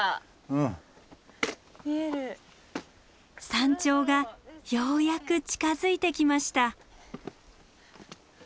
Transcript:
山頂がようやく近づいてきました。